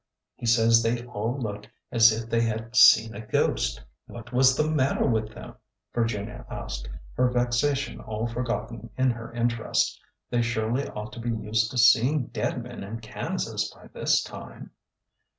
' He says they all looked as if they had seen a ghost." What was the matter with them ?" Virginia asked, her vexation all forgotten in her interest. They surely ought to be used to seeing dead men in Kansas by this time."